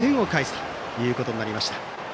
これで２点を返すということになりました。